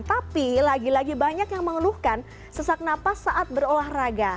tapi lagi lagi banyak yang mengeluhkan sesak nafas saat berolahraga